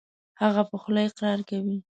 هغه په خوله اقرار کوي .